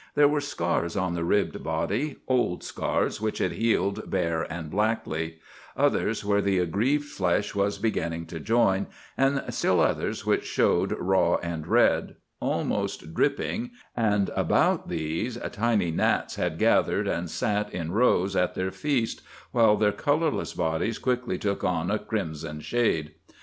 There were scars on the ribbed body; old scars which had healed bare and blackly; others where the aggrieved flesh was beginning to join, and still others which showed raw and red—almost dripping, and about these tiny gnats had gathered and sat in rows at their feast, while their colorless bodies quickly took on a crimson shade.